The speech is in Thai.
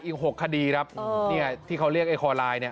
อีก๖คดีครับเนี่ยที่เขาเรียกไอ้คอไลน์เนี่ย